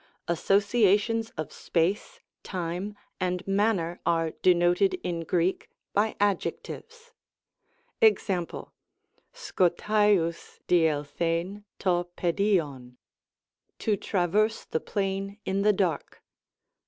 Associations of space, time, and manner, are denoted in Greek by adjectives. Mc.^ axovaiovg dieX&Hv TO Tiidiovj "to traverse the plain in the dark."